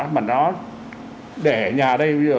mà nó để nhà đây